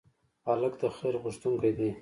هلک د خیر غوښتونکی دی.